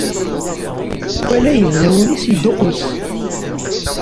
Mi tt-iwala yebda wul-is yedduqqus.